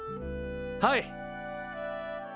はい。